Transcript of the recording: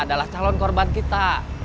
adalah calon korban kita